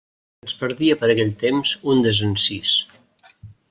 Ens perdia per aquell temps un desencís.